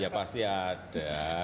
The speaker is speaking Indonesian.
ya pasti ada